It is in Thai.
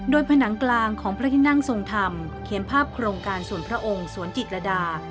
โดยผนังกลางของพระที่นั่งทรงธรรมเขียนภาพโครงการสวนพระองค์สวนจิตรดา